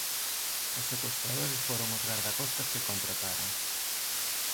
Os secuestradores foron os gardacostas que contrataran.